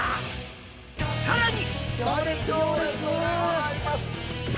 「さらに」